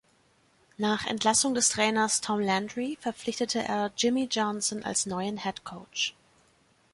Nach Entlassung des Trainers Tom Landry verpflichtete er Jimmy Johnson als neuen Head Coach.